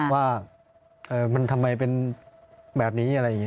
ว่ามันทำไมเป็นแบบนี้อะไรอย่างนี้